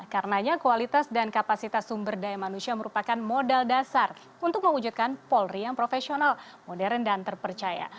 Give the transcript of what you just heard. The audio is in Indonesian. karenanya kualitas dan kapasitas sumber daya manusia merupakan modal dasar untuk mewujudkan polri yang profesional modern dan terpercaya